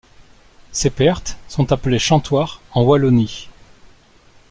Ces pertes sont appelées chantoirs en Wallonie.